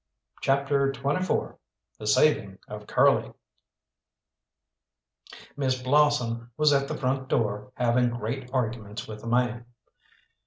CHAPTER XXIV THE SAVING OF CURLY Miss Blossom was at the front door having great arguments with a man.